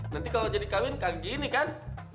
nanti kalau jadi kawin kayak gini kan